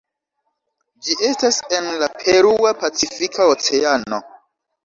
Ĝi estas en la Perua Pacifika Oceano.